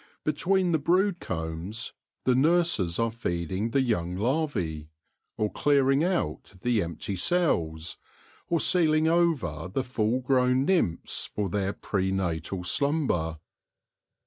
Between the brood combs the nurses are feeding the young larvae, or clearing out the empty cells, or sealing over the full grown nymphs for their pre natal slumber.